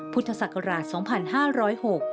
พุทธศักราช๒๕๐๖